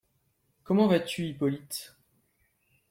comment vas-tu, Hippolyte?